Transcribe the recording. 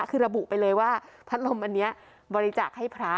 คือระบุไปเลยว่าพัดลมอันนี้บริจาคให้พระ